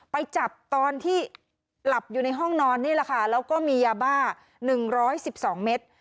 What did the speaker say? ไปจับตอนที่หลับอยู่ในห้องนอนนี่แหละค่ะแล้วก็มียาบ้า๑๑๒เมตร